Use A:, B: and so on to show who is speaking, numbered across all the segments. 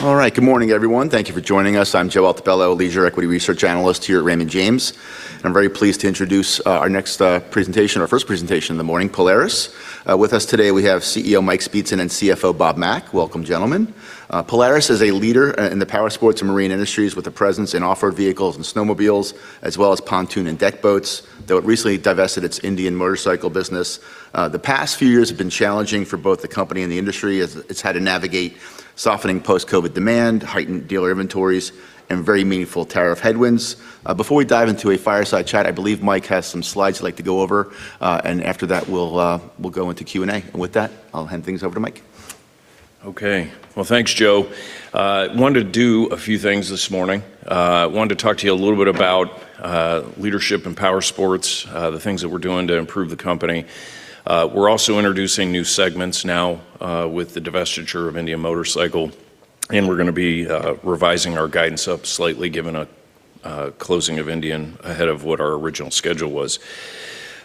A: All right. Good morning, everyone. Thank you for joining us. I'm Joseph Altobello, Leisure Equity Research analyst here at Raymond James. I'm very pleased to introduce our next presentation, our first presentation of the morning, Polaris. With us today we have CEO Mike Speetzen and CFO Bob Mack. Welcome, gentlemen. Polaris is a leader in the Powersports and marine industries with a presence in off-road vehicles and snowmobiles as well as pontoon and deck boats, though it recently divested its Indian Motorcycle business. The past few years have been challenging for both the company and the industry as it's had to navigate softening post-COVID demand, heightened dealer inventories, and very meaningful tariff headwinds. Before we dive into a fireside chat, I believe Mike has some slides he'd like to go over, and after that we'll go into Q&A. With that, I'll hand things over to Mike.
B: Okay. Well, thanks, Joe. Wanted to do a few things this morning. Wanted to talk to you a little bit about leadership in power sports, the things that we're doing to improve the company. We're also introducing new segments now with the divestiture of Indian Motorcycle, we're gonna be revising our guidance up slightly given a closing of Indian ahead of what our original schedule was.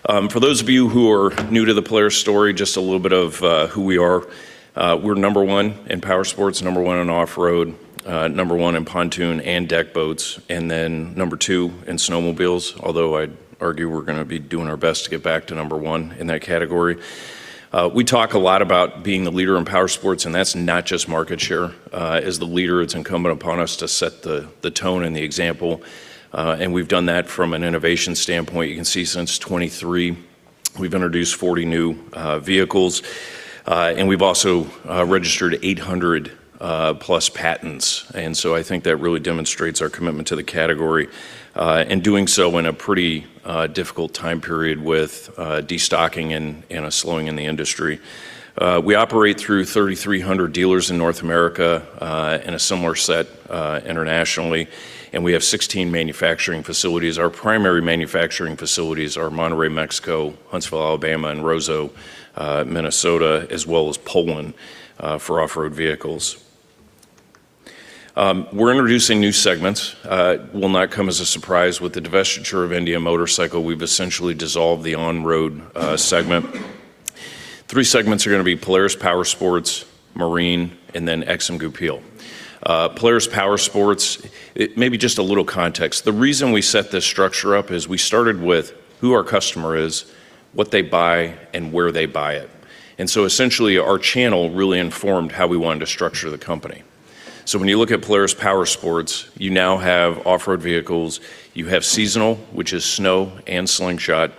B: For those of you who are new to the Polaris story, just a little bit of who we are. We're number one in power sports, number one in off-road, number one in pontoon and deck boats, number two in snowmobiles, although I'd argue we're gonna be doing our best to get back to number one in that category. We talk a lot about being the leader inPowersports, and that's not just market share. As the leader, it's incumbent upon us to set the tone and the example, and we've done that from an innovation standpoint. You can see since 2023, we've introduced 40 new vehicles, and we've also registered 800+ patents. I think that really demonstrates our commitment to the category, and doing so in a pretty difficult time period with destocking and a slowing in the industry. We operate through 3,300 dealers in North America, and a similar set internationally, and we have 16 manufacturing facilities. Our primary manufacturing facilities are Monterrey, Mexico, Huntsville, Alabama, and Roseau, Minnesota, as well as Poland for off-road vehicles. We're introducing new segments. Will not come as a surprise with the divestiture of Indian Motorcycle. We've essentially dissolved the on-road segment. Three segments are gonna be Polaris Powersports, Marine, and Aixam and Goupil. Polaris Powersports, it may be just a little context. The reason we set this structure up is we started with who our customer is, what they buy, and where they buy it. Essentially, our channel really informed how we wanted to structure the company. You look at Polaris Powersports, you now have off-road vehicles, you have seasonal, which is snow and Slingshot.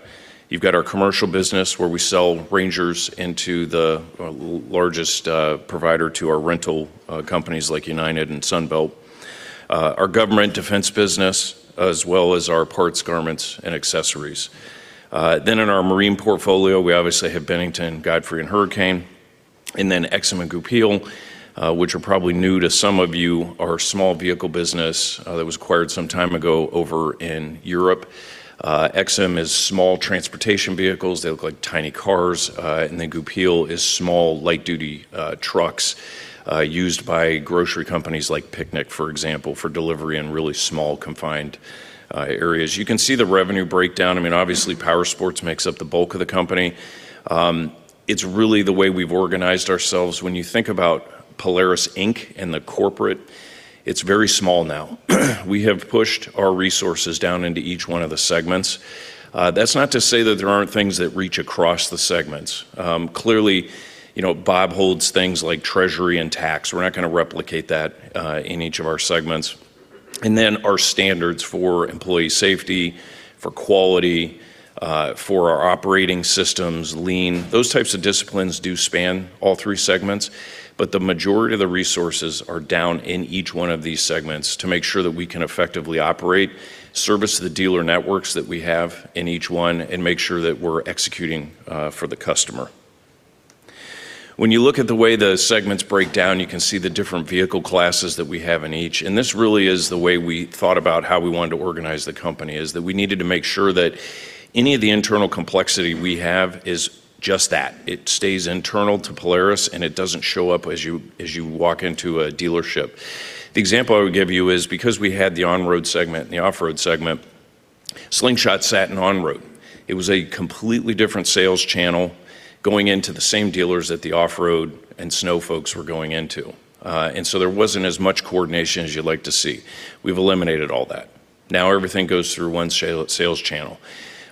B: You've got our commercial business where we sell RANGERs to the largest provider to our rental companies like United and Sunbelt, our government defense business, as well as our parts, garments, and accessories. In our marine portfolio, we obviously have Bennington, Godfrey, and Hurricane. Aixam and Goupil, which are probably new to some of you, are small vehicle business that was acquired some time ago over in Europe. Aixam is small transportation vehicles. They look like tiny cars. Goupil is small light-duty trucks used by grocery companies like Picnic, for example, for delivery in really small confined areas. You can see the revenue breakdown. Obviously, Powersports makes up the bulk of the company. It's really the way we've organized ourselves. When you think about Polaris Inc and the corporate, it's very small now. We have pushed our resources down into each one of the segments. That's not to say that there aren't things that reach across the segments. Clearly, you know, Bob holds things like treasury and tax. We're not gonna replicate that in each of our segments. Our standards for employee safety, for quality, for our operating systems, lean, those types of disciplines do span all three segments. The majority of the resources are down in each one of these segments to make sure that we can effectively operate, service the dealer networks that we have in each one, and make sure that we're executing for the customer. When you look at the way the segments break down, you can see the different vehicle classes that we have in each. This really is the way we thought about how we wanted to organize the company, is that we needed to make sure that any of the internal complexity we have is just that. It stays internal to Polaris, and it doesn't show up as you, as you walk into a dealership. The example I would give you is because we had the on-road segment and the off-road segment, Slingshot sat in on-road. It was a completely different sales channel going into the same dealers that the off-road and snow folks were going into. There wasn't as much coordination as you'd like to see. We've eliminated all that. Everything goes through one sales channel.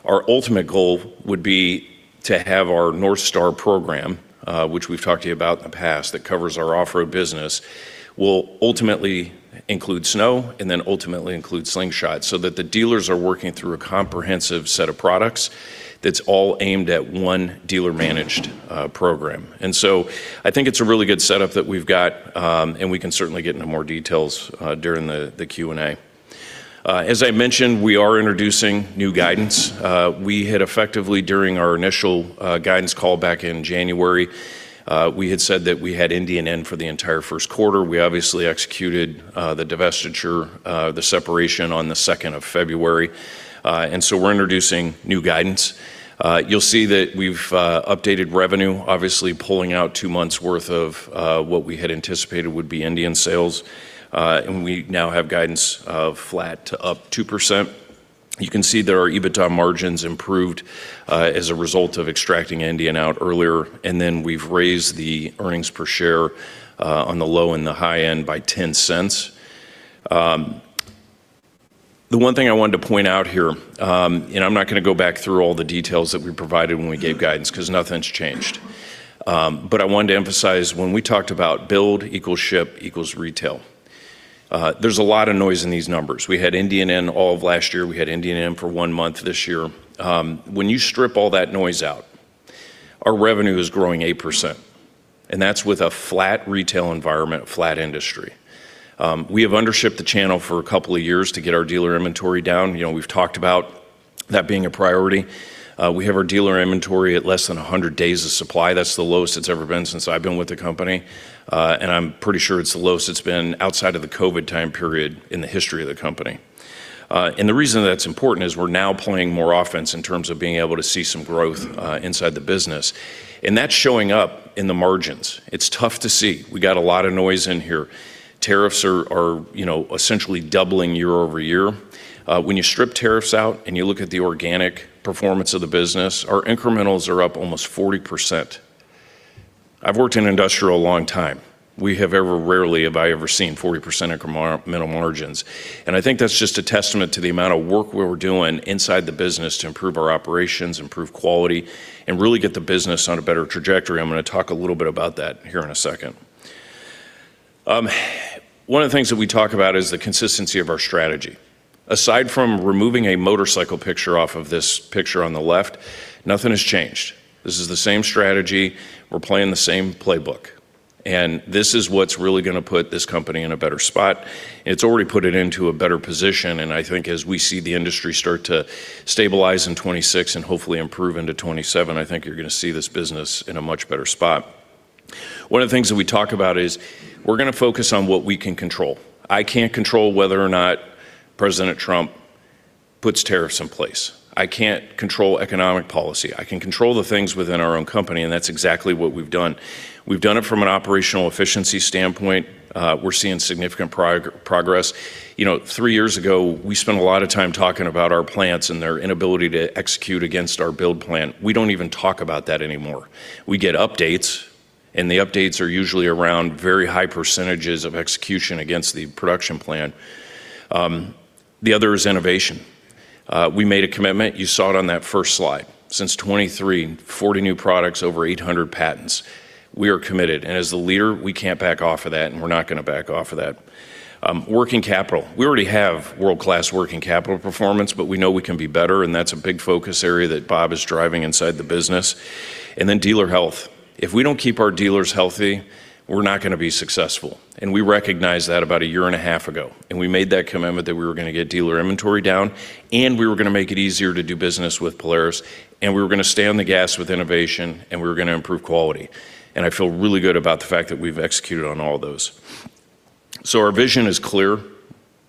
B: Our ultimate goal would be to have our NorthStar program, which we've talked to you about in the past that covers our off-road business, will ultimately include snow and then ultimately include Slingshot so that the dealers are working through a comprehensive set of products that's all aimed at one dealer-managed program. I think it's a really good setup that we've got, and we can certainly get into more details during the Q&A. As I mentioned, we are introducing new guidance. We had effectively during our initial guidance call back in January, we had said that we had Indian in for the entire first quarter. We obviously executed the divestiture, the separation on the second of February. We're introducing new guidance. You'll see that we've updated revenue, obviously pulling out two months' worth of what we had anticipated would be Indian sales. We now have guidance of flat to up 2%. You can see that our EBITDA margins improved as a result of extracting Indian out earlier. We've raised the earnings per share on the low and the high end by $0.10. The one thing I wanted to point out here, I'm not going to go back through all the details that we provided when we gave guidance because nothing's changed. I wanted to emphasize when we talked about build equals ship equals retail, there's a lot of noise in these numbers. We had Indian in all of last year. We had Indian in for 1 month this year. You strip all that noise out, our revenue is growing 8%, and that's with a flat retail environment, flat industry. We have undershipped the channel for a couple of years to get our dealer inventory down. We've talked about that being a priority. We have our dealer inventory at less than 100 days of supply. That's the lowest it's ever been since I've been with the company, and I'm pretty sure it's the lowest it's been outside of the COVID time period in the history of the company. The reason that's important is we're now playing more offense in terms of being able to see some growth inside the business, and that's showing up in the margins. It's tough to see. We got a lot of noise in here. tariffs are essentially doubling year-over-year. When you strip tariffs out and you look at the organic performance of the business, our incrementals are up almost 40%. I've worked in industrial a long time. Rarely have I ever seen 40% incremental margins. I think that's just a testament to the amount of work we're doing inside the business to improve our operations, improve quality, and really get the business on a better trajectory. I'm going to talk a little bit about that here in a second. One of the things that we talk about is the consistency of our strategy. Aside from removing a motorcycle picture off of this picture on the left, nothing has changed. This is the same strategy. We're playing the same playbook. This is what's really going to put this company in a better spot. It's already put it into a better position. I think as we see the industry start to stabilize in 2026 and hopefully improve into 2027, I think you're going to see this business in a much better spot. One of the things that we talk about is we're going to focus on what we can control. I can't control whether or not President Trump puts tariffs in place. I can't control economic policy. I can control the things within our own company. That's exactly what we've done. We've done it from an operational efficiency standpoint. We're seeing significant progress. You know, 3 years ago, we spent a lot of time talking about our plants and their inability to execute against our build plan. We don't even talk about that anymore. We get updates. The updates are usually around very high percentages of execution against the production plan. The other is innovation. We made a commitment. You saw it on that first slide. Since 2023, 40 new products, over 800 patents. We are committed. As the leader, we can't back off of that. We're not going to back off of that. Working capital. We already have world-class working capital performance, but we know we can be better. That's a big focus area that Bob is driving inside the business. Dealer health. If we don't keep our dealers healthy, we're not going to be successful. We recognized that about a year and a half ago. We made that commitment that we were going to get dealer inventory down. We were going to make it easier to do business with Polaris. We were going to stay on the gas with innovation. We were going to improve quality. I feel really good about the fact that we've executed on all those. Our vision is clear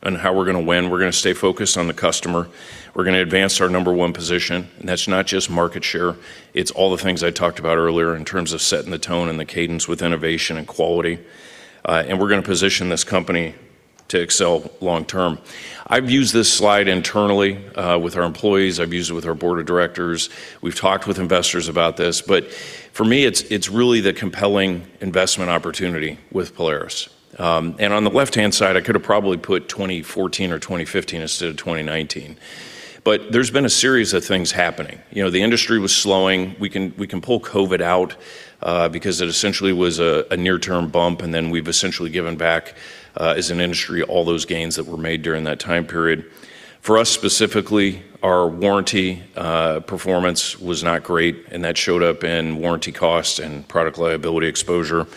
B: on how we're going to win. We're going to stay focused on the customer. We're going to advance our number one position. That's not just market share. It's all the things I talked about earlier in terms of setting the tone and the cadence with innovation and quality. We're going to position this company to excel long term. I've used this slide internally with our employees. I've used it with our board of directors. We've talked with investors about this. For me, it's really the compelling investment opportunity with Polaris. On the left-hand side, I could have probably put 2014 or 2015 instead of 2019. There's been a series of things happening. You know, the industry was slowing. We can pull COVID out because it essentially was a near-term bump. Then we've essentially given back as an industry all those gains that were made during that time period. For us specifically, our warranty performance was not great. That showed up in warranty costs and product liability exposure.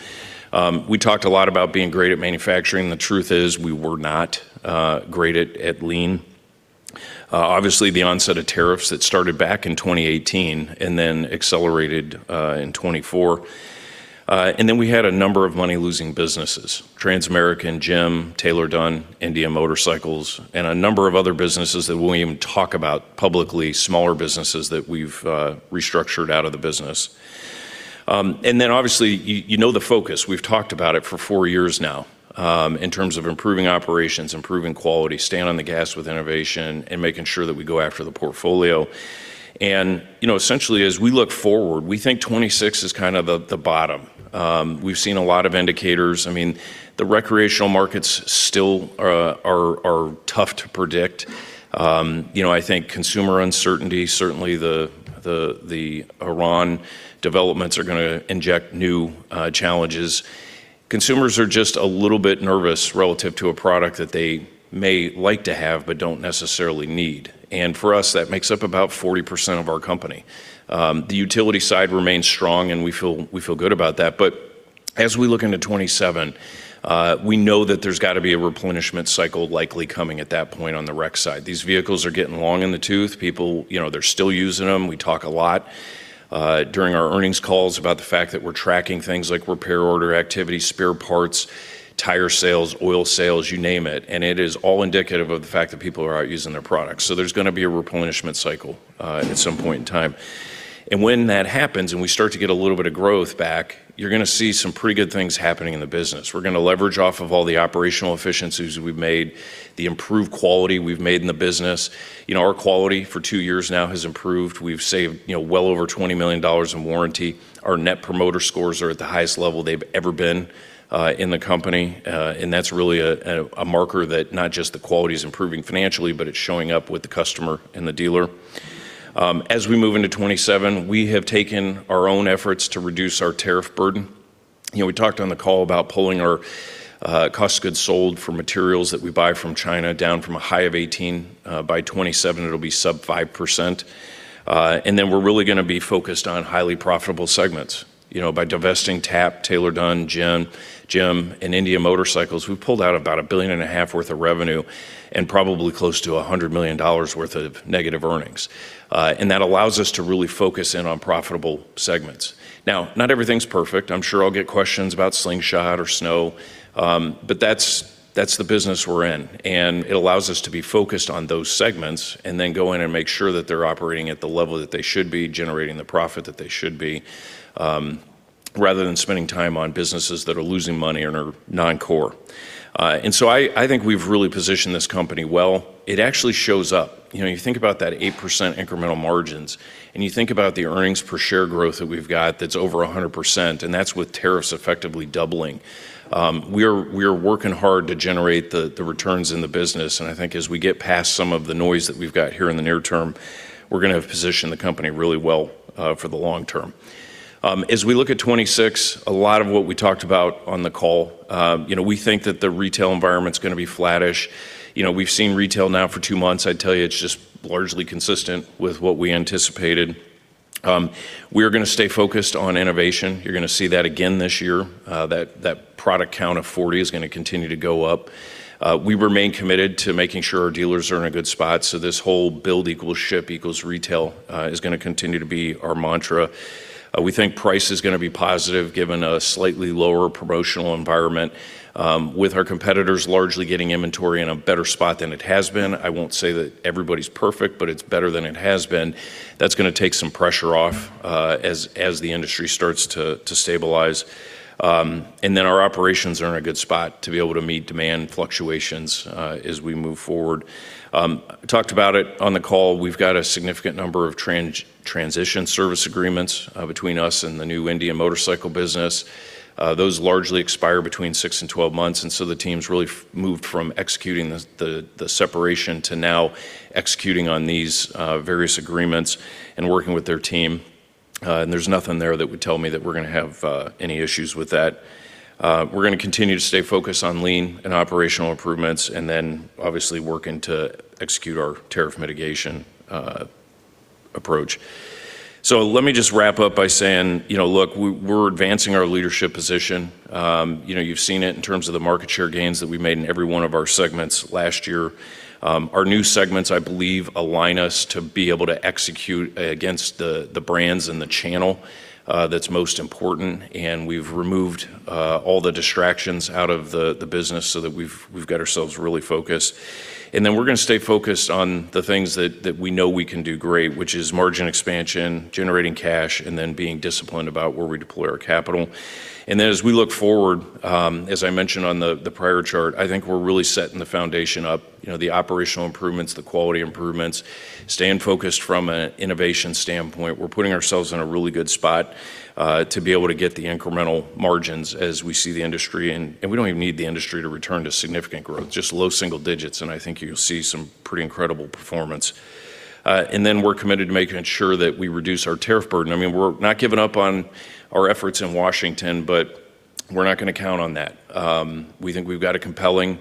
B: We talked a lot about being great at manufacturing. The truth is we were not great at lean. Obviously, the onset of tariffs that started back in 2018. Accelerated in 2024. We had a number of money-losing businesses. Transamerican, GEM, Taylor-Dunn, Indian Motorcycle, and a number of other businesses that we don't even talk about publicly, smaller businesses that we've restructured out of the business. Obviously, you know the focus. We've talked about it for four years now in terms of improving operations, improving quality, staying on the gas with innovation, and making sure that we go after the portfolio. You know, essentially as we look forward, we think 2026 is kind of the bottom. We've seen a lot of indicators. I mean, the recreational markets still are tough to predict. You know, I think consumer uncertainty, certainly the Iran developments are going to inject new challenges. Consumers are just a little bit nervous relative to a product that they may like to have but don't necessarily need. For us, that makes up about 40% of our company. The utility side remains strong, and we feel good about that. As we look into 2027, we know that there's got to be a replenishment cycle likely coming at that point on the rec side. These vehicles are getting long in the tooth. People, you know, they're still using them. We talk a lot during our earnings calls about the fact that we're tracking things like repair order activity, spare parts, tire sales, oil sales, you name it. It is all indicative of the fact that people are out using their products. There's going to be a replenishment cycle at some point in time. When that happens and we start to get a little bit of growth back, you're going to see some pretty good things happening in the business. We're going to leverage off of all the operational efficiencies we've made, the improved quality we've made in the business. You know, our quality for two years now has improved. We've saved, you know, well over $20 million in warranty. Our Net Promoter Scores are at the highest level they've ever been in the company. That's really a marker that not just the quality is improving financially, but it's showing up with the customer and the dealer. As we move into 2027, we have taken our own efforts to reduce our tariff burden. You know, we talked on the call about pulling our cost of goods sold for materials that we buy from China down from a high of 18%. By 2027, it'll be sub 5%. We're really going to be focused on highly profitable segments. You know, by divesting TAP, Taylor-Dunn, GEM, and Indian Motorcycle, we've pulled out about $1.5 billion worth of revenue and probably close to $100 million worth of negative earnings. That allows us to really focus in on profitable segments. Now, not everything's perfect. I'm sure I'll get questions about Slingshot or Snow. That's, that's the business we're in, and it allows us to be focused on those segments and then go in and make sure that they're operating at the level that they should be, generating the profit that they should be, rather than spending time on businesses that are losing money and are non-core. I think we've really positioned this company well. It actually shows up. You know, you think about that 8% incremental margins, and you think about the earnings per share growth that we've got that's over 100%, and that's with tariffs effectively doubling. We're working hard to generate the returns in the business. I think as we get past some of the noise that we've got here in the near term, we're going to have positioned the company really well for the long term. As we look at 2026, a lot of what we talked about on the call, you know, we think that the retail environment's going to be flattish. You know, we've seen retail now for 2 months. I'd tell you it's just largely consistent with what we anticipated. We're going to stay focused on innovation. You're going to see that again this year. That product count of 40 is going to continue to go up. We remain committed to making sure our dealers are in a good spot, this whole build equals ship equals retail is going to continue to be our mantra. We think price is going to be positive given a slightly lower promotional environment. With our competitors largely getting inventory in a better spot than it has been, I won't say that everybody's perfect, but it's better than it has been. That's going to take some pressure off as the industry starts to stabilize. Our operations are in a good spot to be able to meet demand fluctuations as we move forward. Talked about it on the call. We've got a significant number of transition service agreements between us and the new Indian Motorcycle business. Those largely expire between 6 and 12 months. The team's really moved from executing the separation to now executing on these various agreements and working with their team. There's nothing there that would tell me that we're going to have any issues with that. We're going to continue to stay focused on lean and operational improvements and then obviously working to execute our tariff mitigation approach. Let me just wrap up by saying, you know, look, we're advancing our leadership position. you know, you've seen it in terms of the market share gains that we made in every one of our segments last year. Our new segments, I believe, align us to be able to execute against the brands and the channel that's most important, and we've removed all the distractions out of the business so that we've got ourselves really focused. We're going to stay focused on the things that we know we can do great, which is margin expansion, generating cash, and being disciplined about where we deploy our capital. As we look forward, as I mentioned on the prior chart, I think we're really setting the foundation up. You know, the operational improvements, the quality improvements, staying focused from an innovation standpoint. We're putting ourselves in a really good spot to be able to get the incremental margins as we see the industry. We don't even need the industry to return to significant growth, just low single digits, and I think you'll see some pretty incredible performance. We're committed to making sure that we reduce our tariff burden. I mean, we're not giving up on our efforts in Washington, but we're not going to count on that. We think we've got a compelling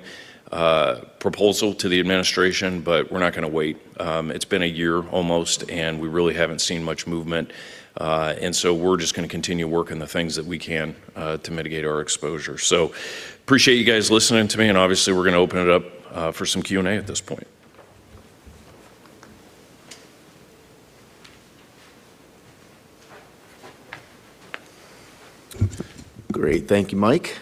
B: proposal to the Administration, but we're not going to wait. It's been a year almost, and we really haven't seen much movement. We're just going to continue working the things that we can to mitigate our exposure. Appreciate you guys listening to me, and obviously we're going to open it up for some Q&A at this point.
A: Great. Thank you, Mike.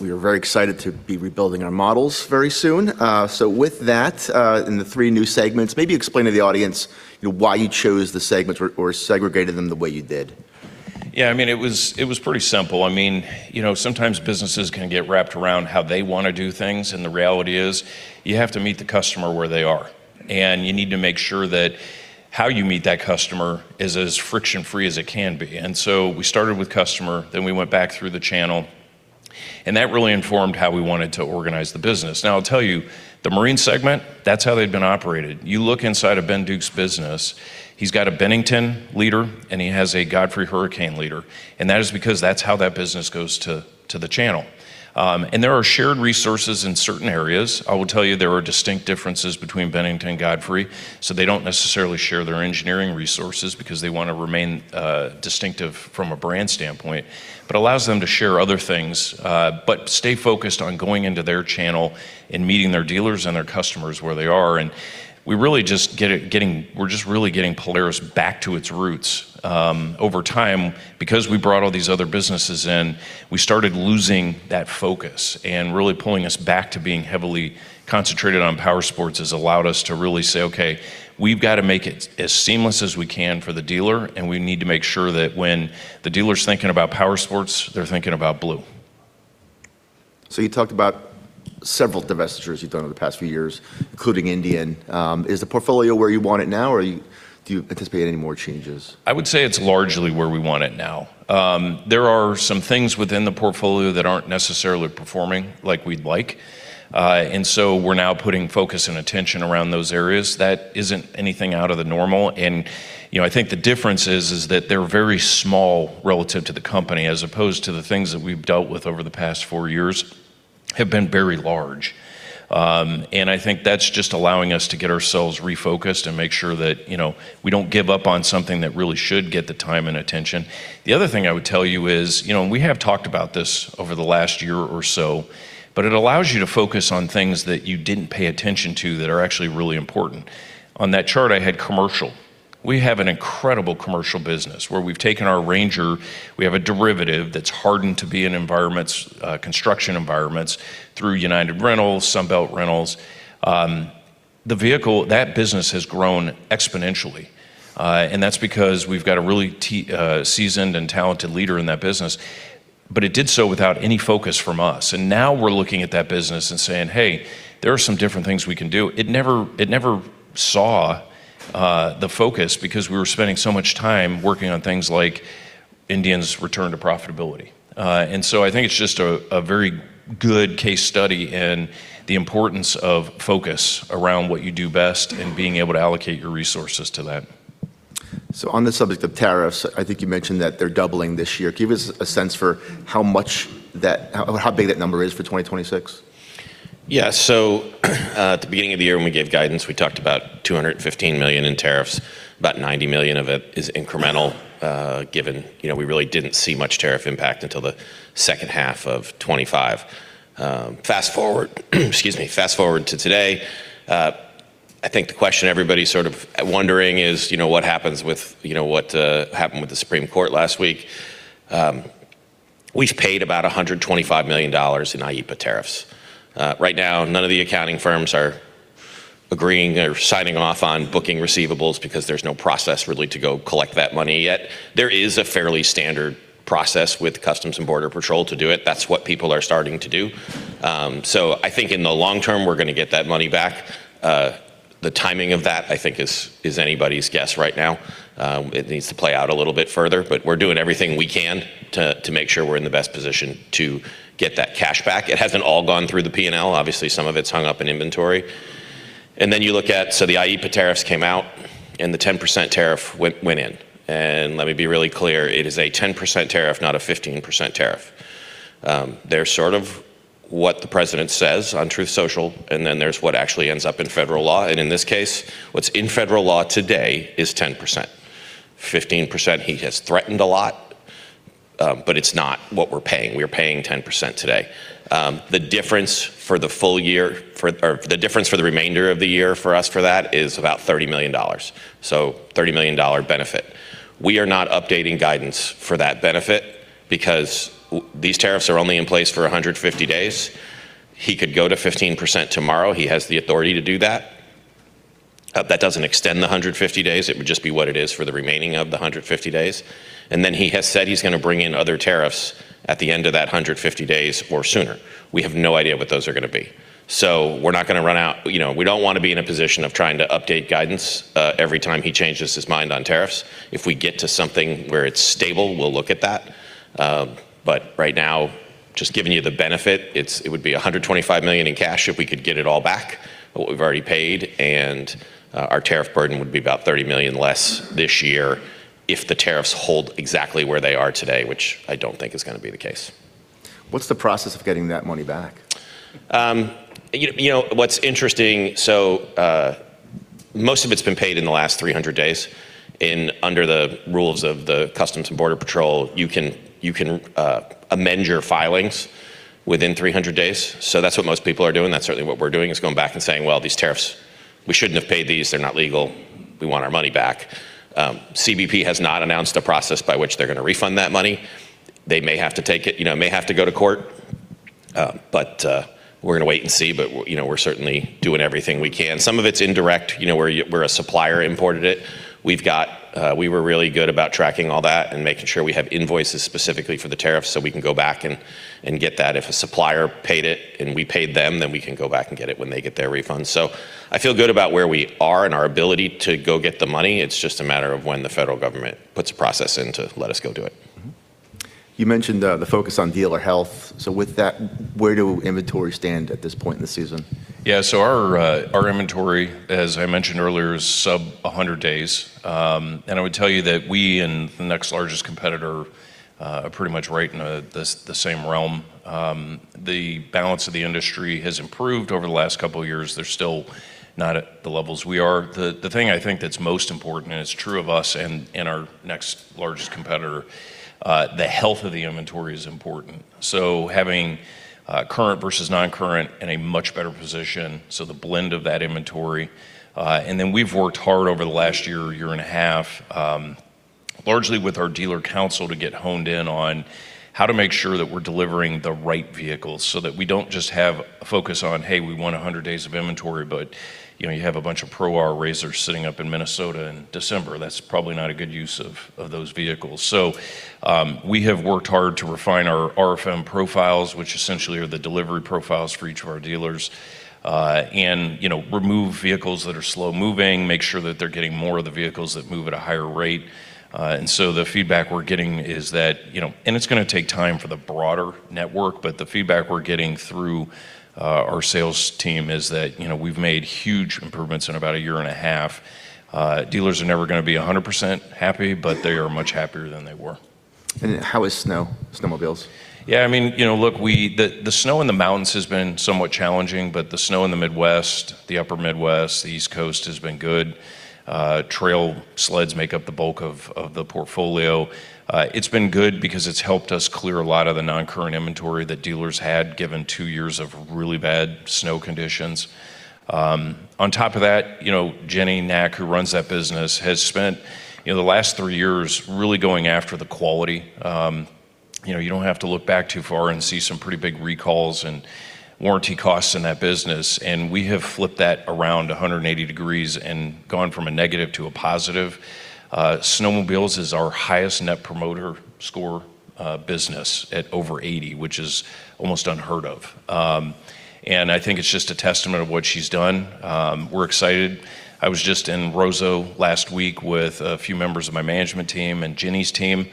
A: We are very excited to be rebuilding our models very soon. With that, and the three new segments, maybe explain to the audience, you know, why you chose the segments or segregated them the way you did.
B: Yeah, I mean, it was, it was pretty simple. I mean, you know, sometimes businesses can get wrapped around how they want to do things, and the reality is you have to meet the customer where they are, and you need to make sure that how you meet that customer is as friction-free as it can be. We started with customer, then we went back through the channel, and that really informed how we wanted to organize the business. Now, I'll tell you, the marine segment, that's how they've been operated. You look inside of Ben Duke's business, he's got a Bennington leader, and he has a Godfrey Hurricane leader, and that is because that's how that business goes to the channel. There are shared resources in certain areas. I will tell you there are distinct differences between Bennington and Godfrey, so they don't necessarily share their engineering resources because they want to remain distinctive from a brand standpoint, but allows them to share other things, but stay focused on going into their channel and meeting their dealers and their customers where they are. We're just really getting Polaris back to its roots. Over time, because we brought all these other businesses in, we started losing that focus, and really pulling us back to being heavily concentrated on Powersports has allowed us to really say, "Okay, we've got to make it as seamless as we can for the dealer, and we need to make sure that when the dealer's thinking about Powersports, they're thinking about Blue.
A: You talked about several divestitures you've done over the past few years, including Indian. Is the portfolio where you want it now, or do you anticipate any more changes?
B: I would say it's largely where we want it now. There are some things within the portfolio that aren't necessarily performing like we'd like. We're now putting focus and attention around those areas. That isn't anything out of the normal. you know, I think the difference is that they're very small relative to the company, as opposed to the things that we've dealt with over the past four years have been very large. I think that's just allowing us to get ourselves refocused and make sure that, you know, we don't give up on something that really should get the time and attention. The other thing I would tell you is, you know, we have talked about this over the last year or so, it allows you to focus on things that you didn't pay attention to that are actually really important. On that chart, I had commercial. We have an incredible commercial business where we've taken our RANGER, we have a derivative that's hardened to be in environments, construction environments through United Rentals, Sunbelt Rentals. The vehicle, that business has grown exponentially. That's because we've got a really seasoned and talented leader in that business. It did so without any focus from us. Now we're looking at that business and saying, "Hey, there are some different things we can do." It never saw the focus because we were spending so much time working on things like Indian's return to profitability. I think it's just a very good case study in the importance of focus around what you do best and being able to allocate your resources to that.
A: On the subject of tariffs, I think you mentioned that they're doubling this year. Give us a sense for how much or how big that number is for 2026.
B: At the beginning of the year when we gave guidance, we talked about $215 million in tariffs, about $90 million of it is incremental, given, you know, we really didn't see much tariff impact until the second half of 2025. Fast-forward, excuse me, fast-forward to today, I think the question everybody's sort of wondering is, you know, what happens with, you know, what happened with the Supreme Court last week. We've paid about $125 million in IEPA tariffs. Right now, none of the accounting firms are agreeing or signing off on booking receivables because there's no process really to go collect that money yet. There is a fairly standard process with Customs and Border Patrol to do it. That's what people are starting to do. I think in the long term, we're gonna get that money back. The timing of that, I think is anybody's guess right now. It needs to play out a little bit further, we're doing everything we can to make sure we're in the best position to get that cash back. It hasn't all gone through the P&L. Obviously, some of it's hung up in inventory. You look at the IEPA tariffs came out, the 10% tariff went in. Let me be really clear, it is a 10% tariff, not a 15% tariff. There's sort of what the president says on Truth Social, there's what actually ends up in federal law. In this case, what's in federal law today is 10%. 15%, he has threatened a lot, but it's not what we're paying. We're paying 10% today. The difference for the full year or the difference for the remainder of the year for us for that is about $30 million. $30 million benefit. We are not updating guidance for that benefit because these tariffs are only in place for 150 days. He could go to 15% tomorrow. He has the authority to do that. That doesn't extend the 150 days. It would just be what it is for the remaining of the 150 days. He has said he's gonna bring in other tariffs at the end of that 150 days or sooner. We have no idea what those are gonna be. We're not gonna run out. You know, we don't wanna be in a position of trying to update guidance, every time he changes his mind on tariffs. If we get to something where it's stable, we'll look at that. Right now, just giving you the benefit, it would be $125 million in cash if we could get it all back, what we've already paid, and, our tariff burden would be about $30 million less this year if the tariffs hold exactly where they are today, which I don't think is gonna be the case.
A: What's the process of getting that money back?
B: You, you know, what's interesting, most of it's been paid in the last 300 days. Under the rules of the U.S. Customs and Border Protection, you can amend your filings within 300 days. That's what most people are doing. That's certainly what we're doing, is going back and saying, "Well, these tariffs, we shouldn't have paid these. They're not legal. We want our money back." CBP has not announced a process by which they're gonna refund that money. They may have to take it, you know, it may have to go to court, we're gonna wait and see. You know, we're certainly doing everything we can. Some of it's indirect, you know, where a supplier imported it. We were really good about tracking all that and making sure we have invoices specifically for the tariffs, we can go back and get that. If a supplier paid it and we paid them, we can go back and get it when they get their refunds. I feel good about where we are and our ability to go get the money. It's just a matter of when the federal government puts a process in to let us go do it.
A: Mm-hmm. You mentioned the focus on dealer health. With that, where do inventory stand at this point in the season?
B: Our inventory, as I mentioned earlier, is sub 100 days. I would tell you that we and the next largest competitor are pretty much right in the same realm. The balance of the industry has improved over the last couple of years. They're still not at the levels we are. The thing I think that's most important, and it's true of us and our next largest competitor, the health of the inventory is important. Having current versus non-current in a much better position, so the blend of that inventory. We've worked hard over the last year and a half. Largely with our dealer council to get honed in on how to make sure that we're delivering the right vehicles so that we don't just have a focus on, "Hey, we want 100 days of inventory," but you have a bunch of RZR Pro R SxS sitting up in Minnesota in December. That's probably not a good use of those vehicles. We have worked hard to refine our RFM profiles, which essentially are the delivery profiles for each of our dealers, and remove vehicles that are slow-moving, make sure that they're getting more of the vehicles that move at a higher rate. The feedback we're getting is that it's gonna take time for the broader network, but the feedback we're getting through our sales team is that we've made huge improvements in about a year and a half. Dealers are never gonna be 100% happy, but they are much happier than they were.
A: How is snowmobiles?
B: Look, the snow in the mountains has been somewhat challenging. The snow in the Midwest, the upper Midwest, the East Coast has been good. Trail sleds make up the bulk of the portfolio. It's been good because it's helped us clear a lot of the non-current inventory that dealers had given two years of really bad snow conditions. On top of that, Jenny Nack, who runs that business, has spent the last three years really going after the quality. You know, you don't have to look back too far and see some pretty big recalls and warranty costs in that business. We have flipped that around 180 degrees and gone from a negative to a positive. Snowmobiles is our highest Net Promoter Score business at over 80, which is almost unheard of. I think it's just a testament of what she's done. We're excited. I was just in Roseau last week with a few members of my management team and Jenny's team.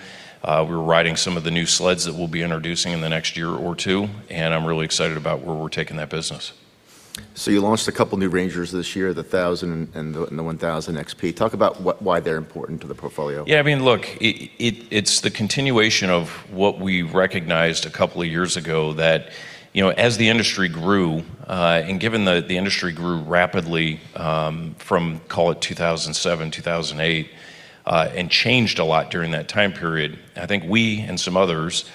B: We were riding some of the new sleds that we'll be introducing in the next year or two, I'm really excited about where we're taking that business.
A: You launched a couple new RANGERs this year, the 1,000 XP. Talk about why they're important to the portfolio.
B: Look, it's the continuation of what we recognized a couple of years ago that as the industry grew, and given the industry grew rapidly, from call it 2007, 2008, and changed a lot during that time period. I think we and some others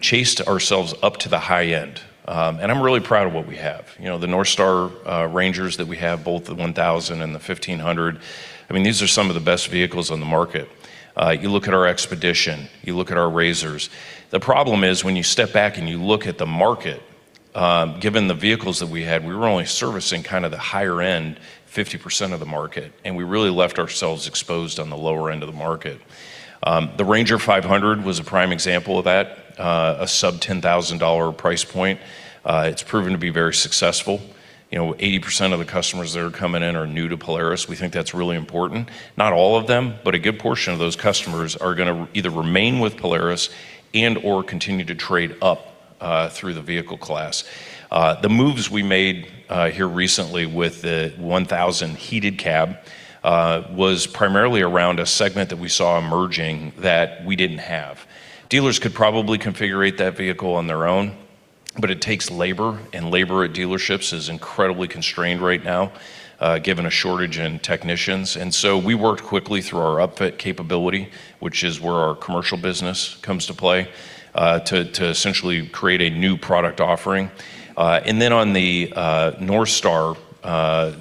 B: chased ourselves up to the high end. I'm really proud of what we have. The NorthStar, RANGERs that we have, both the 1,000 and the 1,500. These are some of the best vehicles on the market. You look at our XPEDITION, you look at our RZR's. The problem is when you step back and you look at the market, given the vehicles that we had, we were only servicing the higher end 50% of the market, and we really left ourselves exposed on the lower end of the market. The RANGER 500 was a prime example of that, a sub-$10,000 price point. It's proven to be very successful. You know, 80% of the customers that are coming in are new to Polaris. We think that's really important. Not all of them, but a good portion of those customers are gonna either remain with Polaris and/or continue to trade up through the vehicle class. The moves we made here recently with the 1,000 heated cab was primarily around a segment that we saw emerging that we didn't have. Dealers could probably configure that vehicle on their own, but it takes labor, and labor at dealerships is incredibly constrained right now, given a shortage in technicians. We worked quickly through our upfit capability, which is where our commercial business comes to play, to essentially create a new product offering. On the NorthStar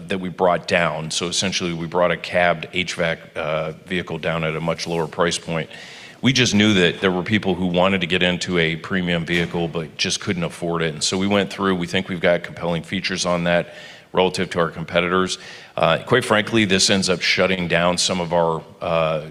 B: that we brought down, so essentially, we brought a cabbed HVAC vehicle down at a much lower price point. We just knew that there were people who wanted to get into a premium vehicle but just couldn't afford it. We went through. We think we've got compelling features on that relative to our competitors. Quite frankly, this ends up shutting down some of our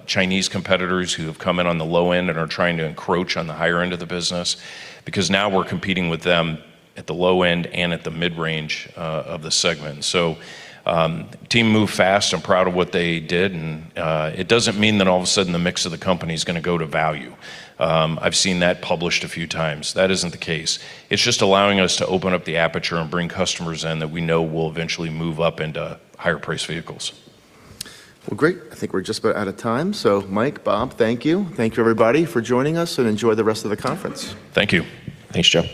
B: Chinese competitors who have come in on the low end and are trying to encroach on the higher end of the business because now we're competing with them at the low end and at the mid-range of the segment. The team moved fast. I'm proud of what they did, and it doesn't mean that all of a sudden the mix of the company's gonna go to value. I've seen that published a few times. That isn't the case. It's just allowing us to open up the aperture and bring customers in that we know will eventually move up into higher-priced vehicles.
A: Well, great. I think we're just about out of time. Mike, Bob, thank you. Thank you everybody for joining us, and enjoy the rest of the conference.
B: Thank you.
C: Thanks, Joe.